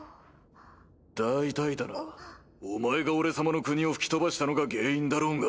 大体だなお前が俺様の国を吹き飛ばしたのが原因だろうが。